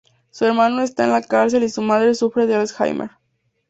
Su hermano está en la cárcel y su madre sufre de Alzheimer.